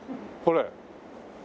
これ。